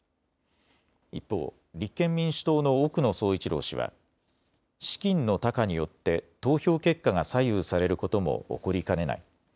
一方、立憲民主党の奥野総一郎氏は資金の多寡によって投票結果が左右されることも起こりかねない。